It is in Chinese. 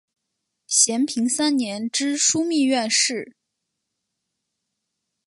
咸平三年知枢密院事。